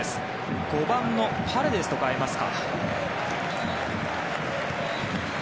５番のパレデスと代えますか。